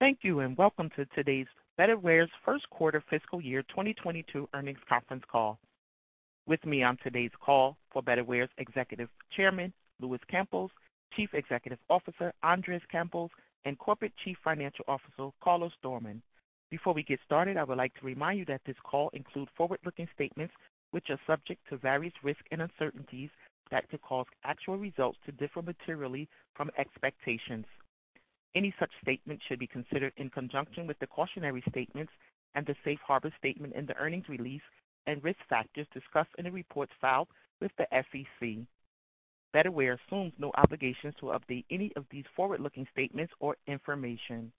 Thank you and welcome to today's Betterware's First Quarter Fiscal Year 2022 Earnings Conference Call. With me on today's call are Betterware's Executive Chairman, Luis Campos, Chief Executive Officer, Andres Campos, and Corporate Chief Financial Officer, Carlos Doormann. Before we get started, I would like to remind you that this call include forward-looking statements, which are subject to various risks and uncertainties that could cause actual results to differ materially from expectations. Any such statements should be considered in conjunction with the cautionary statements and the safe harbor statement in the earnings release and risk factors discussed in the reports filed with the SEC. Betterware assumes no obligations to update any of these forward-looking statements or information.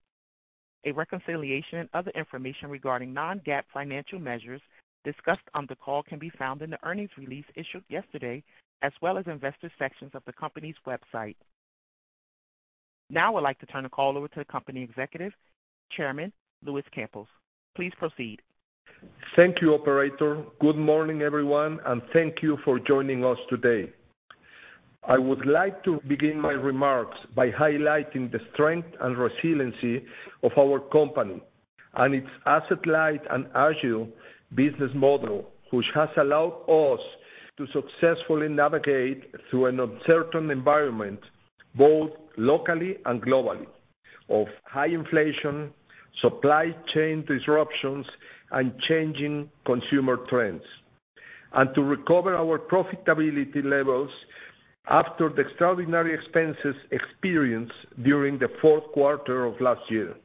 A reconciliation and other information regarding non-GAAP financial measures discussed on the call can be found in the earnings release issued yesterday as well as investor sections of the company's website. Now I'd like to turn the call over to the company Executive Chairman, Luis Campos. Please proceed. Thank you, operator. Good morning, everyone, and thank you for joining us today. I would like to begin my remarks by highlighting the strength and resiliency of our company and its asset-light and agile business model, which has allowed us to successfully navigate through an uncertain environment, both locally and globally, of high inflation, supply chain disruptions, and changing consumer trends, to recover our profitability levels after the extraordinary expenses experienced during the fourth quarter of last year.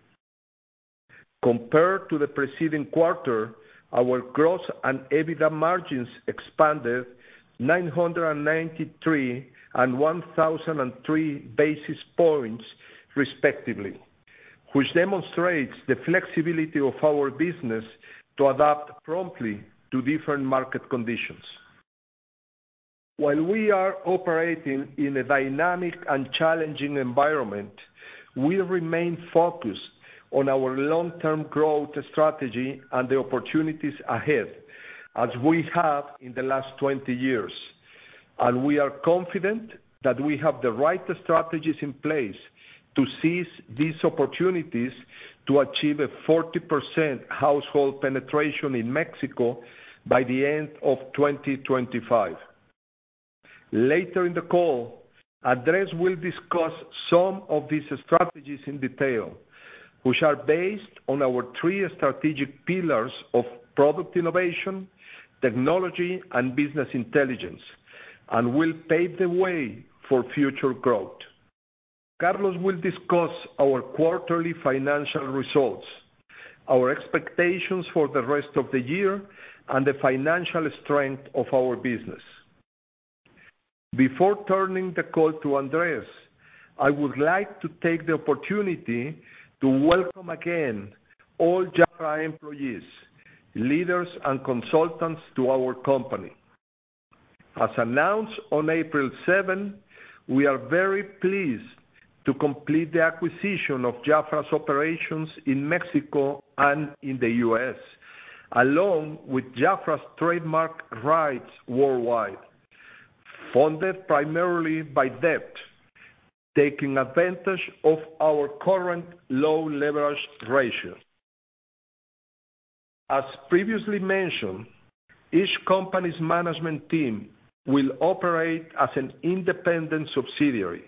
Compared to the preceding quarter, our gross and EBITDA margins expanded 993 and 1,003 basis points respectively, which demonstrates the flexibility of our business to adapt promptly to different market conditions. While we are operating in a dynamic and challenging environment, we remain focused on our long-term growth strategy and the opportunities ahead as we have in the last 20 years. We are confident that we have the right strategies in place to seize these opportunities to achieve a 40% household penetration in Mexico by the end of 2025. Later in the call, Andres will discuss some of these strategies in detail, which are based on our three strategic pillars of product innovation, technology, and business intelligence, and will pave the way for future growth. Carlos will discuss our quarterly financial results, our expectations for the rest of the year, and the financial strength of our business. Before turning the call to Andres, I would like to take the opportunity to welcome again all JAFRA employees, leaders, and consultants to our company. As announced on April 7, we are very pleased to complete the acquisition of JAFRA's operations in Mexico and in the U.S., along with JAFRA's trademark rights worldwide, funded primarily by debt, taking advantage of our current low leverage ratio. As previously mentioned, each company's management team will operate as an independent subsidiary,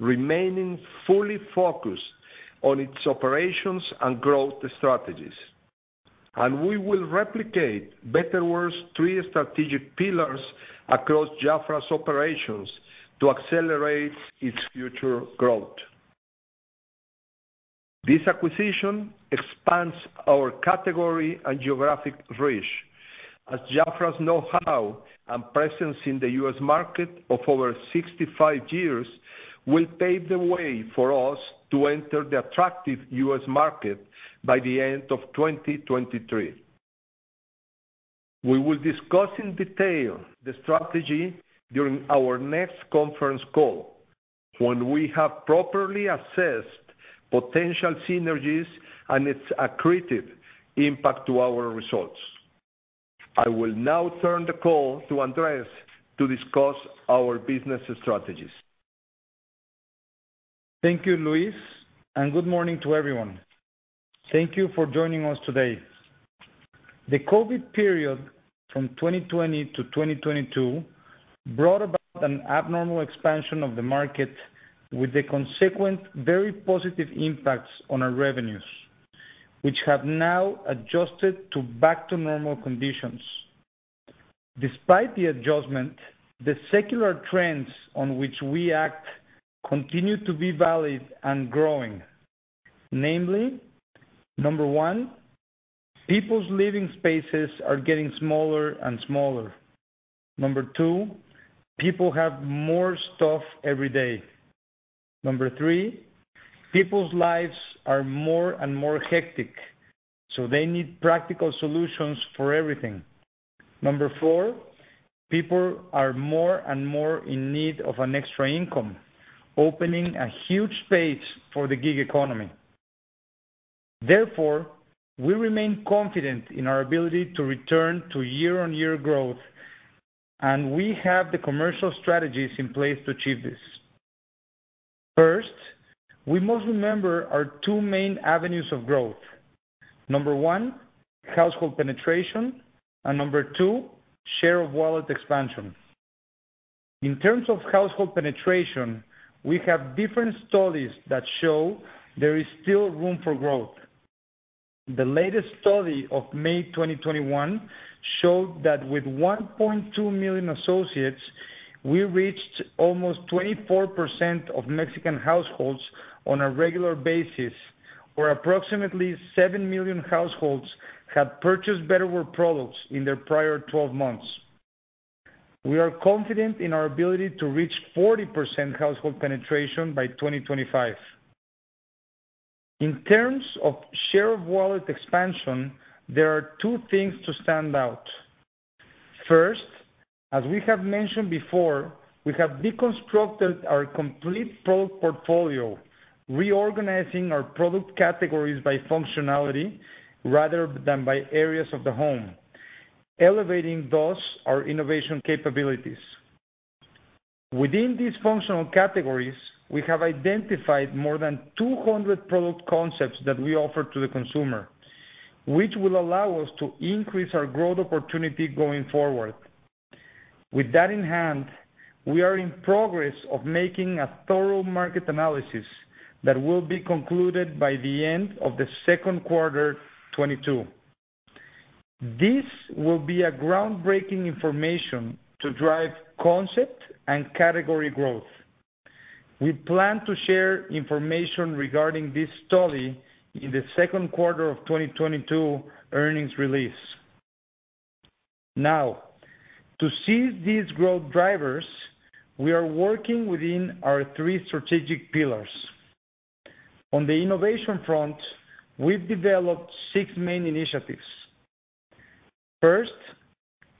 remaining fully focused on its operations and growth strategies. We will replicate Betterware's three strategic pillars across JAFRA's operations to accelerate its future growth. This acquisition expands our category and geographic reach, as JAFRA's know-how and presence in the U.S. market of over 65 years will pave the way for us to enter the attractive U.S. market by the end of 2023. We will discuss in detail the strategy during our next conference call when we have properly assessed potential synergies and its accretive impact to our results. I will now turn the call to Andres to discuss our business strategies. Thank you, Luis, and good morning to everyone. Thank you for joining us today. The COVID period from 2020 to 2022 brought about an abnormal expansion of the market with the consequent very positive impacts on our revenues, which have now adjusted to back to normal conditions. Despite the adjustment, the secular trends on which we act continue to be valid and growing. Namely, number one, people's living spaces are getting smaller and smaller. Number two, people have more stuff every day. Number three, people's lives are more and more hectic, so they need practical solutions for everything. Number four, people are more and more in need of an extra income, opening a huge space for the gig economy. Therefore, we remain confident in our ability to return to year-on-year growth, and we have the commercial strategies in place to achieve this. First, we must remember our two main avenues of growth. Number one, household penetration, and number two, share of wallet expansion. In terms of household penetration, we have different studies that show there is still room for growth. The latest study of May 2021 showed that with 1.2 million associates, we reached almost 24% of Mexican households on a regular basis, or approximately 7 million households have purchased Betterware products in their prior 12 months. We are confident in our ability to reach 40% household penetration by 2025. In terms of share of wallet expansion, there are two things to stand out. First, as we have mentioned before, we have deconstructed our complete product portfolio, reorganizing our product categories by functionality rather than by areas of the home, elevating thus our innovation capabilities. Within these functional categories, we have identified more than 200 product concepts that we offer to the consumer, which will allow us to increase our growth opportunity going forward. With that in hand, we are in progress of making a thorough market analysis that will be concluded by the end of the second quarter 2022. This will be a groundbreaking information to drive concept and category growth. We plan to share information regarding this study in the second quarter of 2022 earnings release. Now, to seize these growth drivers, we are working within our three strategic pillars. On the innovation front, we've developed six main initiatives. First,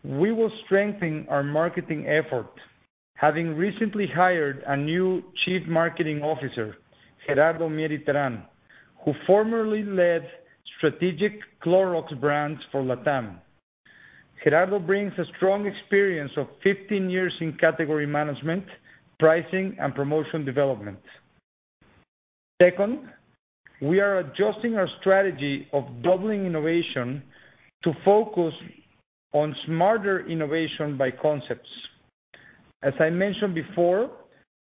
we will strengthen our marketing effort, having recently hired a new Chief Marketing Officer, Gerardo Mier y Terán, who formerly led strategic Clorox brands for LatAm. Gerardo brings a strong experience of 15 years in category management, pricing, and promotion development. Second, we are adjusting our strategy of doubling innovation to focus on smarter innovation by concepts. As I mentioned before,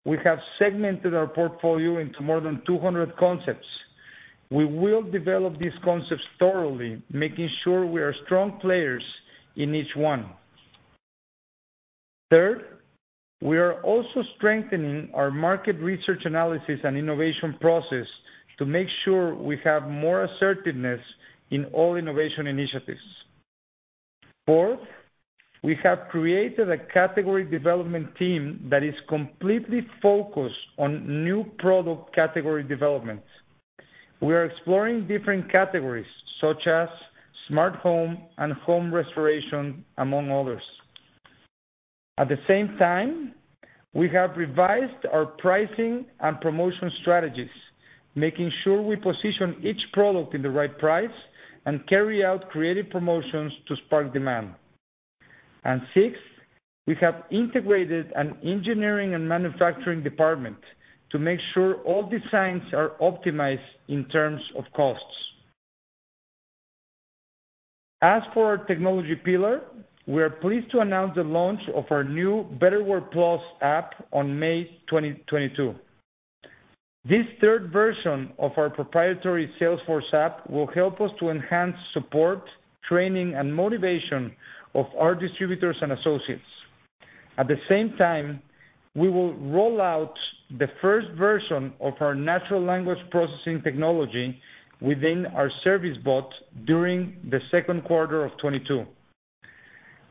we have segmented our portfolio into more than 200 concepts. We will develop these concepts thoroughly, making sure we are strong players in each one. Third, we are also strengthening our market research analysis and innovation process to make sure we have more assertiveness in all innovation initiatives. Fourth, we have created a category development team that is completely focused on new product category development. We are exploring different categories such as smart home and home restoration, among others. At the same time, we have revised our pricing and promotion strategies, making sure we position each product in the right price and carry out creative promotions to spark demand. Sixth, we have integrated an engineering and manufacturing department to make sure all designs are optimized in terms of costs. As for our technology pillar, we are pleased to announce the launch of our new Betterware+ app on May 2022. This third version of our proprietary Salesforce app will help us to enhance support, training, and motivation of our distributors and associates. At the same time, we will roll out the first version of our Natural Language Processing technology within our service bot during the second quarter of 2022.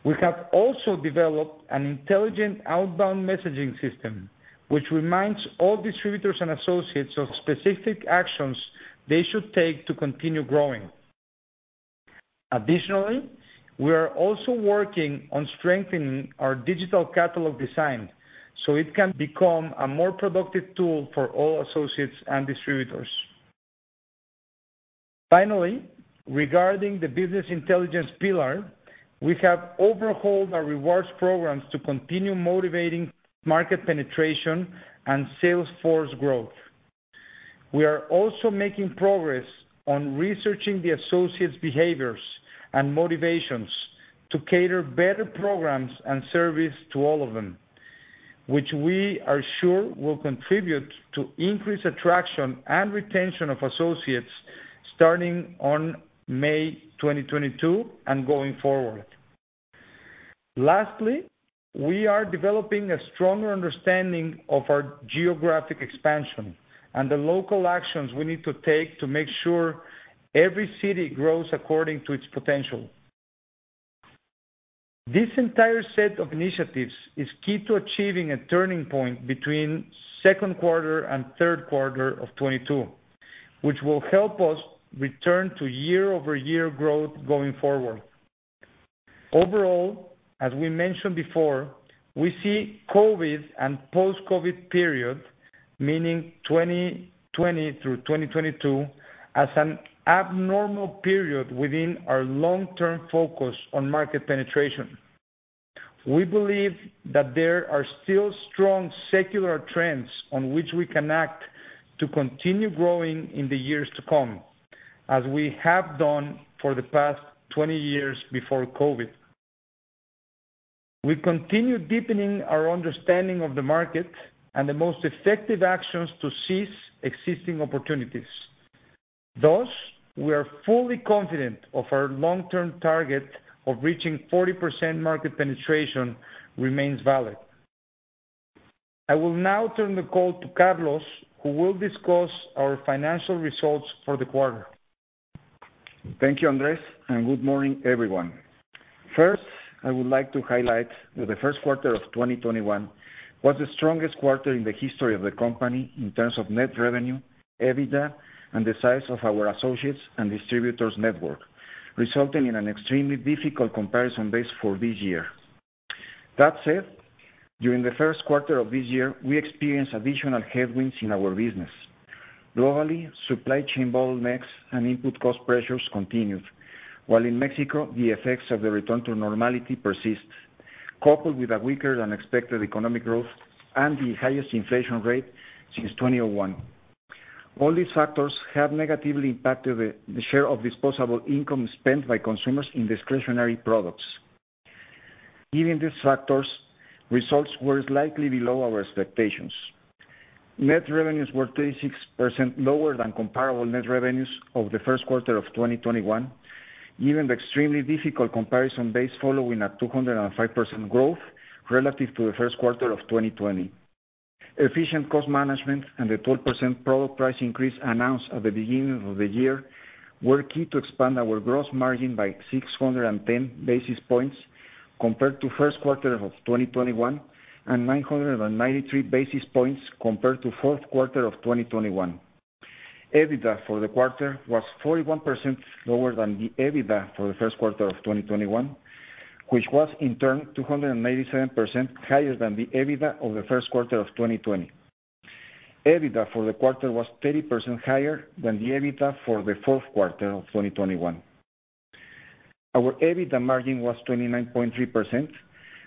We have also developed an intelligent outbound messaging system, which reminds all distributors and associates of specific actions they should take to continue growing. Additionally, we are also working on strengthening our digital catalog design, so it can become a more productive tool for all associates and distributors. Finally, regarding the business intelligence pillar, we have overhauled our rewards programs to continue motivating market penetration and sales force growth. We are also making progress on researching the associates' behaviors and motivations to cater better programs and service to all of them, which we are sure will contribute to increased attraction and retention of associates starting on May 2022 and going forward. Lastly, we are developing a stronger understanding of our geographic expansion and the local actions we need to take to make sure every city grows according to its potential. This entire set of initiatives is key to achieving a turning point between second quarter and third quarter of 2022, which will help us return to year-over-year growth going forward. Overall, as we mentioned before, we see COVID and post-COVID period, meaning 2020 through 2022, as an abnormal period within our long-term focus on market penetration. We believe that there are still strong secular trends on which we can act to continue growing in the years to come, as we have done for the past 20 years before COVID. We continue deepening our understanding of the market and the most effective actions to seize existing opportunities. Thus, we are fully confident of our long-term target of reaching 40% market penetration remains valid. I will now turn the call to Carlos Doormann, who will discuss our financial results for the quarter. Thank you, Andres, and good morning, everyone. First, I would like to highlight that the first quarter of 2021 was the strongest quarter in the history of the company in terms of net revenue, EBITDA, and the size of our associates and distributors network, resulting in an extremely difficult comparison base for this year. That said, during the first quarter of this year, we experienced additional headwinds in our business. Globally, supply chain bottlenecks and input cost pressures continued, while in Mexico, the effects of the return to normality persist, coupled with a weaker-than-expected economic growth and the highest inflation rate since 2001. All these factors have negatively impacted the share of disposable income spent by consumers in discretionary products. Given these factors, results were slightly below our expectations. Net revenues were 36% lower than comparable net revenues of the first quarter of 2021, given the extremely difficult comparison base following a 205% growth relative to the first quarter of 2020. Efficient cost management and the 12% product price increase announced at the beginning of the year were key to expand our gross margin by 610 basis points compared to first quarter of 2021 and 993 basis points compared to fourth quarter of 2021. EBITDA for the quarter was 41% lower than the EBITDA for the first quarter of 2021, which was in turn 297% higher than the EBITDA of the first quarter of 2020. EBITDA for the quarter was 30% higher than the EBITDA for the fourth quarter of 2021. Our EBITDA margin was 29.3%,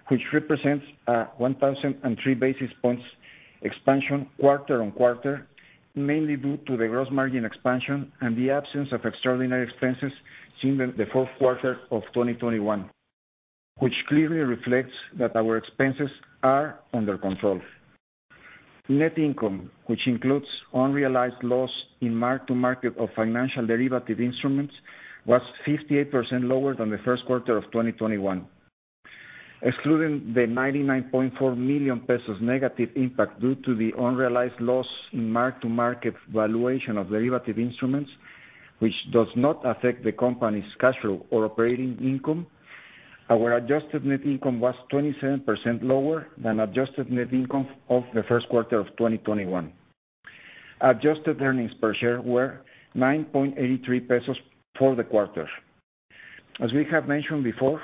which represents a 1,003 basis points expansion quarter-on-quarter, mainly due to the gross margin expansion and the absence of extraordinary expenses seen in the fourth quarter of 2021, which clearly reflects that our expenses are under control. Net income, which includes unrealized loss in mark-to-market of financial derivative instruments, was 58% lower than the first quarter of 2021. Excluding the 99.4 million pesos negative impact due to the unrealized loss in mark-to-market valuation of derivative instruments, which does not affect the company's cash flow or operating income, our adjusted net income was 27% lower than adjusted net income of the first quarter of 2021. Adjusted earnings per share were 9.83 pesos for the quarter. As we have mentioned before,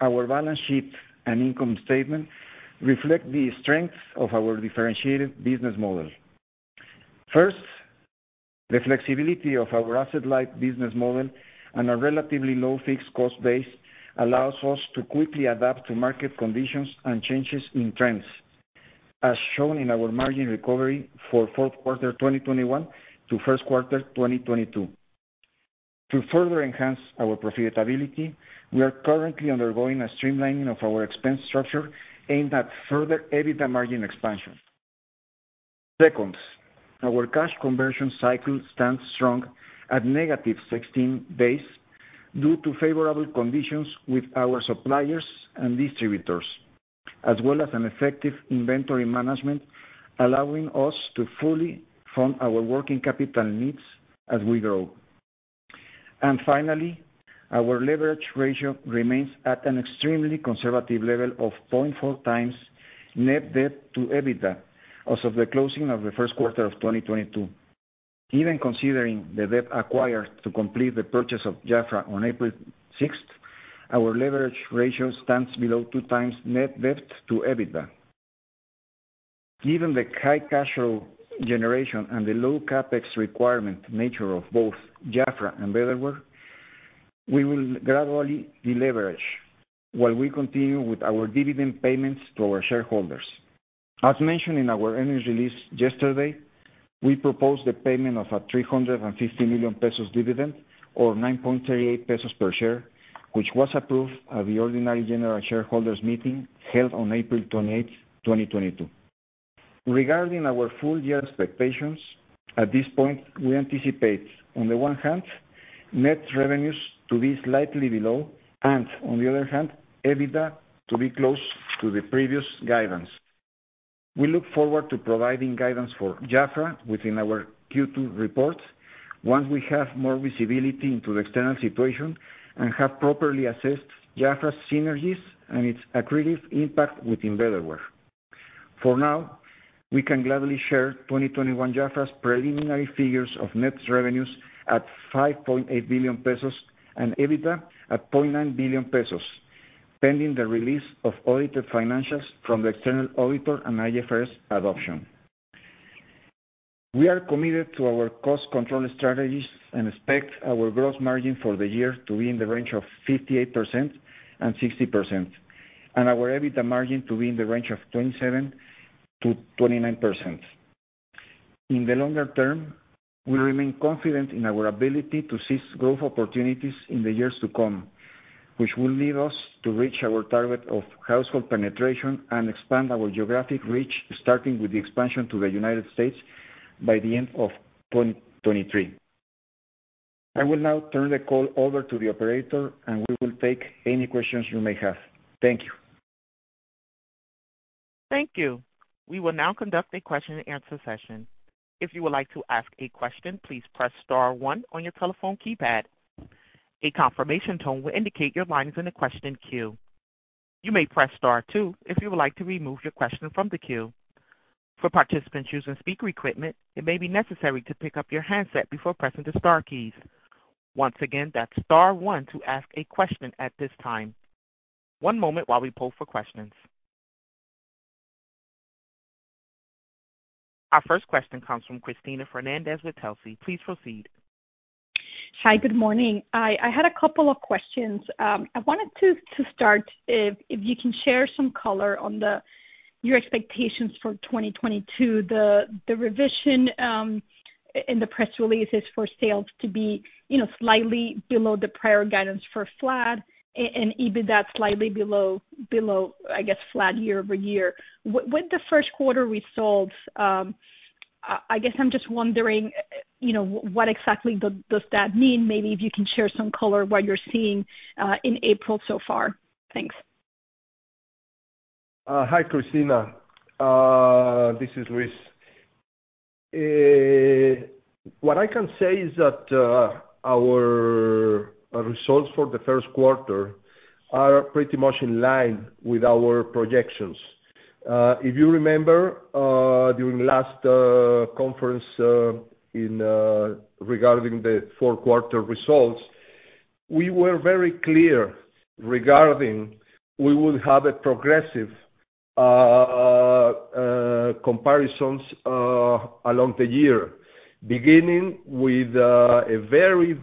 our balance sheet and income statement reflect the strength of our differentiated business model. First, the flexibility of our asset-light business model and a relatively low fixed cost base allows us to quickly adapt to market conditions and changes in trends, as shown in our margin recovery for fourth quarter 2021 to first quarter 2022. To further enhance our profitability, we are currently undergoing a streamlining of our expense structure aimed at further EBITDA margin expansion. Second, our cash conversion cycle stands strong at negative 16 days due to favorable conditions with our suppliers and distributors, as well as an effective inventory management, allowing us to fully fund our working capital needs as we grow. Finally, our leverage ratio remains at an extremely conservative level of 0.4x net debt to EBITDA as of the closing of the first quarter of 2022. Even considering the debt acquired to complete the purchase of JAFRA on April 6, our leverage ratio stands below 2x net debt to EBITDA. Given the high cash flow generation and the low CapEx requirement nature of both JAFRA and Betterware, we will gradually deleverage while we continue with our dividend payments to our shareholders. As mentioned in our earnings release yesterday, we propose the payment of a 350 million pesos dividend, or 9.38 pesos per share, which was approved at the ordinary general shareholders meeting held on April 28, 2022. Regarding our full year expectations, at this point, we anticipate, on the one hand, net revenues to be slightly below and, on the other hand, EBITDA to be close to the previous guidance. We look forward to providing guidance for JAFRA within our Q2 reports once we have more visibility into the external situation and have properly assessed JAFRA's synergies and its accretive impact within Betterware. For now, we can gladly share 2021 JAFRA's preliminary figures of net revenues at 5.8 billion pesos and EBITDA at 0.9 billion pesos, pending the release of audited financials from the external auditor and IFRS adoption. We are committed to our cost control strategies and expect our gross margin for the year to be in the range of 58% and 60%, and our EBITDA margin to be in the range of 27%-29%. In the longer term, we remain confident in our ability to seize growth opportunities in the years to come, which will lead us to reach our target of household penetration and expand our geographic reach, starting with the expansion to the United States by the end of 2023. I will now turn the call over to the operator, and we will take any questions you may have. Thank you. Thank you. We will now conduct a question and answer session. If you would like to ask a question, please press star one on your telephone keypad. A confirmation tone will indicate your line is in the question queue. You may press star two if you would like to remove your question from the queue. For participants using speaker equipment, it may be necessary to pick up your handset before pressing the star keys. Once again, that's star one to ask a question at this time. One moment while we poll for questions. Our first question comes from Cristina Fernández with Telsey. Please proceed. Hi, good morning. I had a couple of questions. I wanted to start if you can share some color on your expectations for 2022. The revision in the press release is for sales to be, you know, slightly below the prior guidance for flat and EBITDA slightly below, I guess, flat year-over-year. With the first quarter results, I guess I'm just wondering, you know, what exactly does that mean? Maybe if you can share some color what you're seeing in April so far. Thanks. Hi, Cristina. This is Luis. What I can say is that our results for the first quarter are pretty much in line with our projections. If you remember, during last conference regarding the fourth quarter results, we were very clear regarding we would have a progressive comparisons along the year, beginning with a very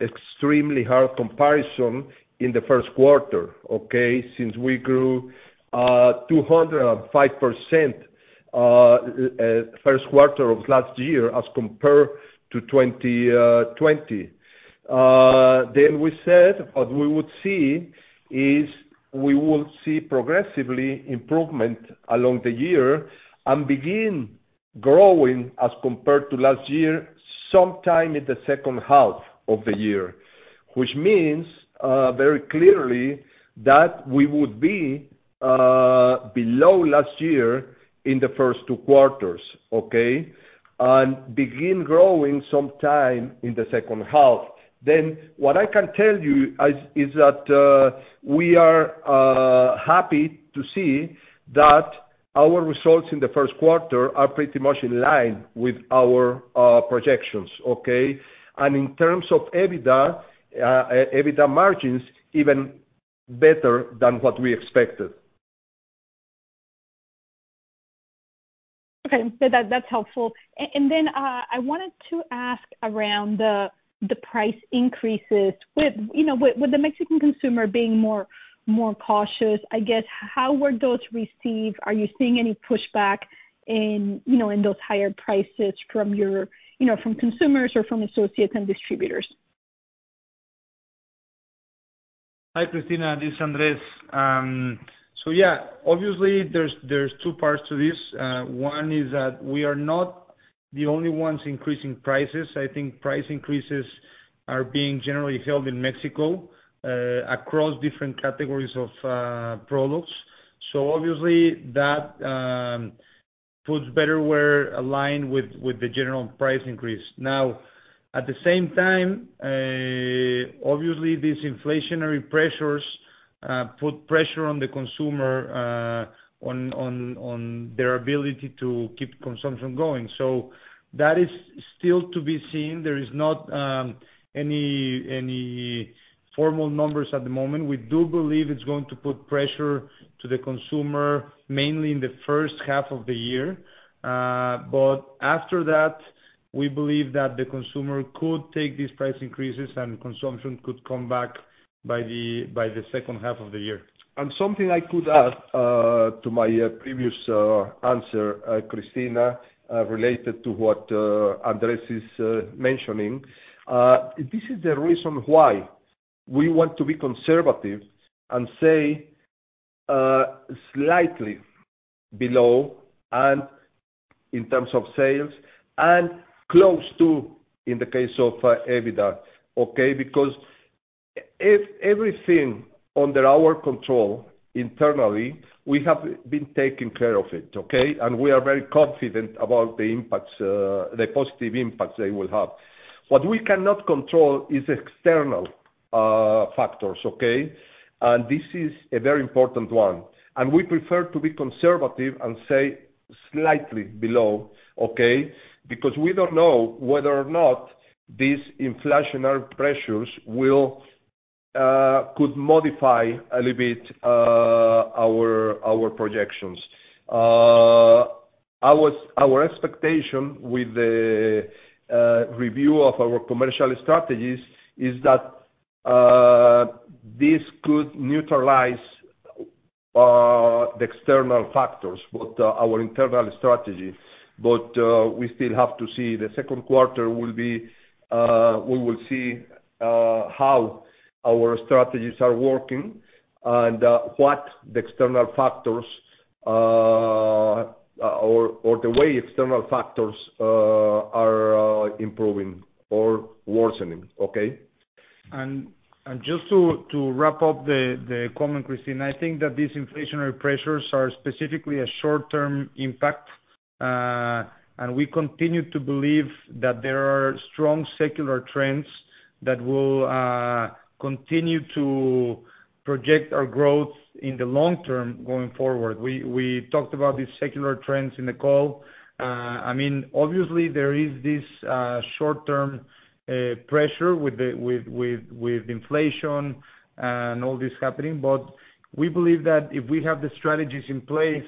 extremely hard comparison in the first quarter, okay? Since we grew 205% first quarter of last year as compared to 2020. We said what we would see is we will see progressive improvement along the year and begin growing as compared to last year sometime in the second half of the year, which means, very clearly that we would be below last year in the first two quarters, okay? Begin growing sometime in the second half. What I can tell you is that we are happy to see that our results in the first quarter are pretty much in line with our projections, okay? In terms of EBITDA margins, even better than what we expected. Okay. That's helpful. Then I wanted to ask around the price increases. With, you know, with the Mexican consumer being more cautious, I guess, how were those received? Are you seeing any pushback in, you know, in those higher prices from your, you know, from consumers or from associates and distributors? Hi, Cristina. This is Andrés. Yeah, obviously there's two parts to this. One is that we are not the only ones increasing prices. I think price increases are being generally held in Mexico across different categories of products. Obviously that puts Betterware aligned with the general price increase. Now, at the same time, obviously these inflationary pressures put pressure on the consumer on their ability to keep consumption going. That is still to be seen. There is not any formal numbers at the moment. We do believe it's going to put pressure to the consumer mainly in the first half of the year. After that, we believe that the consumer could take these price increases, and consumption could come back by the second half of the year. Something I could add to my previous answer, Cristina, related to what Andrés is mentioning. This is the reason why we want to be conservative and say slightly below and in terms of sales and close to in the case of EBITDA, okay. Because everything under our control internally, we have been taking care of it, okay? We are very confident about the impacts, the positive impacts they will have. What we cannot control is external factors, okay? This is a very important one. We prefer to be conservative and say slightly below, okay? Because we don't know whether or not these inflationary pressures could modify a little bit our projections. Our expectation with the review of our commercial strategies is that this could neutralize the external factors but our internal strategy. We still have to see in the second quarter will be, we will see how our strategies are working and what the external factors or the way external factors are improving or worsening. Okay? Just to wrap up the comment, Cristina, I think that these inflationary pressures are specifically a short-term impact. We continue to believe that there are strong secular trends that will continue to project our growth in the long-term going forward. We talked about these secular trends in the call. I mean, obviously there is this short-term pressure with inflation and all this happening. We believe that if we have the strategies in place,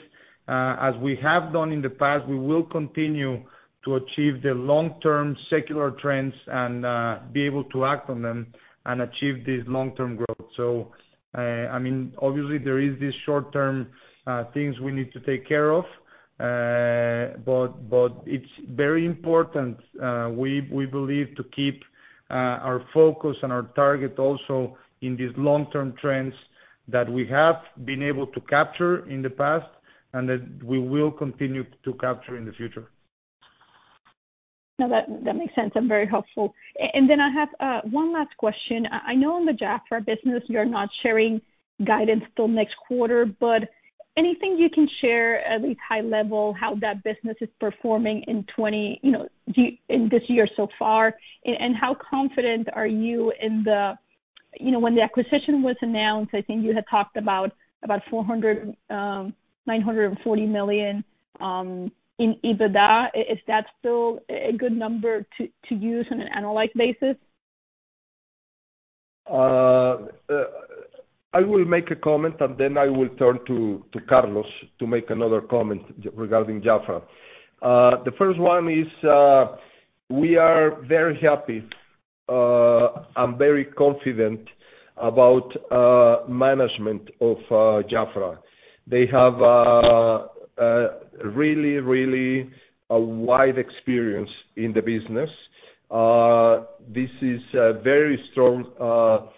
as we have done in the past, we will continue to achieve the long-term secular trends and be able to act on them and achieve this long-term growth. I mean, obviously there is this short-term things we need to take care of. It's very important, we believe to keep our focus and our target also in these long-term trends that we have been able to capture in the past and that we will continue to capture in the future. No, that makes sense and very helpful. Then I have one last question. I know in the JAFRA business you're not sharing guidance till next quarter, but anything you can share at least high level how that business is performing in 2020, you know, in this year so far. How confident are you. You know, when the acquisition was announced, I think you had talked about about 940 million in EBITDA. Is that still a good number to use on an annualized basis? I will make a comment and then I will turn to Carlos to make another comment regarding JAFRA. The first one is, we are very happy and very confident about management of JAFRA. They have really a wide experience in the business. This is a very strong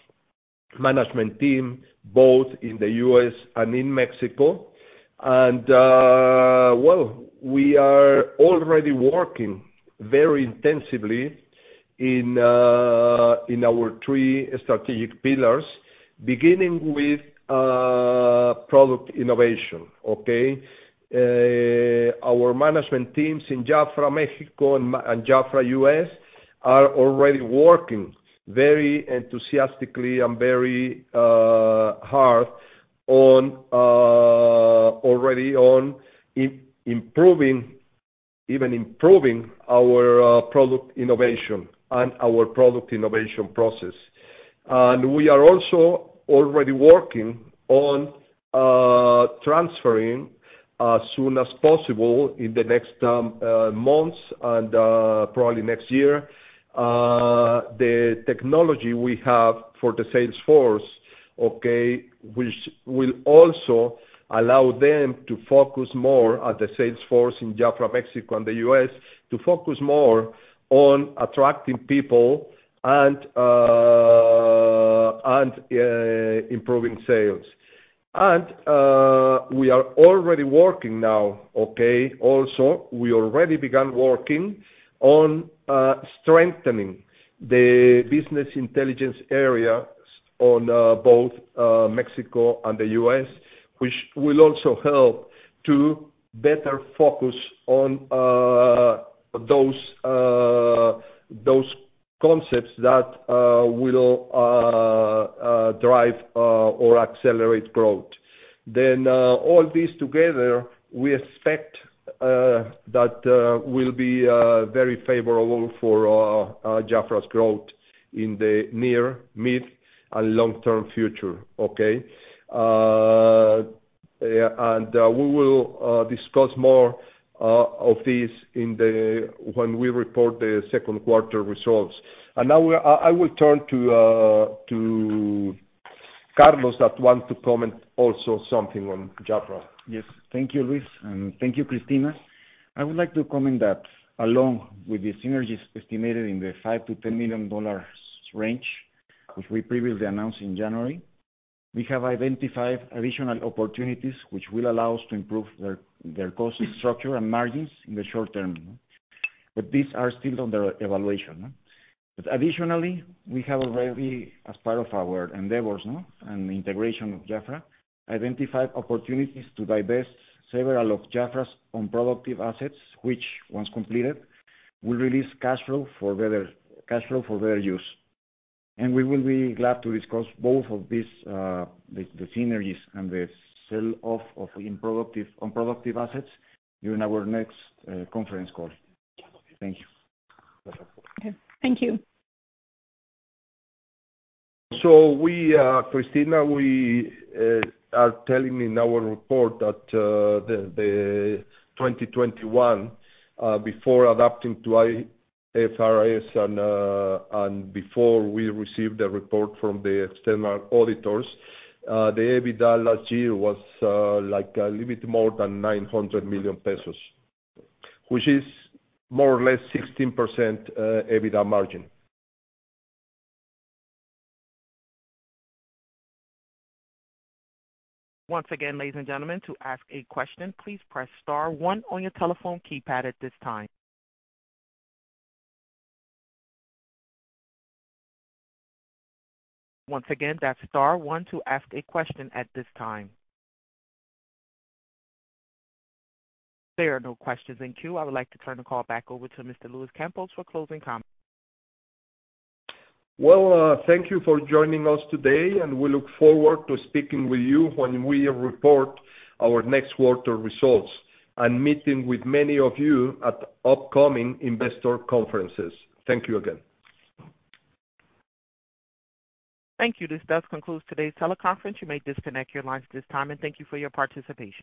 management team both in the U.S. and in Mexico. Well, we are already working very intensively in our three strategic pillars, beginning with product innovation, okay? Our management teams in JAFRA Mexico and JAFRA U.S. are already working very enthusiastically and very hard on already improving, even improving our product innovation and our product innovation process. We are also already working on transferring as soon as possible in the next months and probably next year the technology we have for the sales force, okay? Which will also allow them to focus more on the sales force in JAFRA Mexico and the U.S. to focus more on attracting people and improving sales. We are already working now, okay? Also, we already began working on strengthening the business intelligence area in both Mexico and the U.S., which will also help to better focus on those concepts that will drive or accelerate growth. All this together, we expect that will be very favorable for JAFRA's growth in the near, mid, and long-term future. Okay? Yeah. We will discuss more of this when we report the second quarter results. Now I will turn to Carlos that want to comment also something on JAFRA. Yes. Thank you, Luis. Thank you, Cristina. I would like to comment that along with the synergies estimated in the $5-$10 million range, which we previously announced in January, we have identified additional opportunities which will allow us to improve their cost structure and margins in the short term. These are still under evaluation. Additionally, we have already, as part of our endeavors and the integration of JAFRA, identified opportunities to divest several of JAFRA's unproductive assets, which once completed, will release cash flow for better use. We will be glad to discuss both of these, the synergies and the sell-off of unproductive assets during our next conference call. Thank you. Okay. Thank you. Cristina, we are telling in our report that the 2021, before adapting to IFRS and before we received the report from the external auditors, the EBITDA last year was like a little bit more than 900 million pesos, which is more or less 16% EBITDA margin. Once again, ladies and gentlemen, to ask a question, please press star one on your telephone keypad at this time. Once again, that's star one to ask a question at this time. There are no questions in queue. I would like to turn the call back over to Mr. Luis Campos for closing comments. Well, thank you for joining us today, and we look forward to speaking with you when we report our next quarter results and meeting with many of you at upcoming investor conferences. Thank you again. Thank you. This does conclude today's teleconference. You may disconnect your lines at this time, and thank you for your participation.